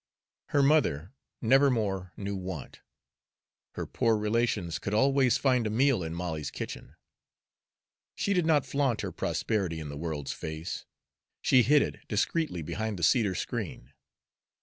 Her mother nevermore knew want. Her poor relations could always find a meal in Molly's kitchen. She did not flaunt her prosperity in the world's face; she hid it discreetly behind the cedar screen.